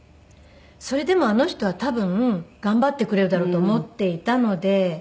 それでもあの人は多分頑張ってくれるだろうと思っていたので。